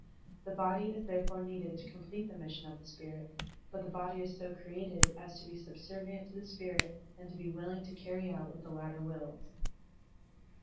The body is therefore needed to complete the mission of the spirit, but the body is so created as to be subservient to the spirit and to be willing to carry out what the latter wills.